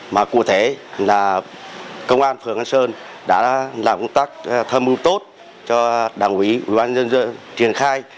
mà cụ thể là công an phường an sơn đã làm công tác tham mưu tốt cho đảng ủy ubnd triển khai